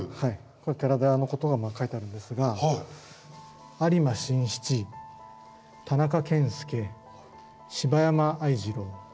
これ寺田屋のことが書いてあるんですが「有馬新七田中謙助柴山愛次郎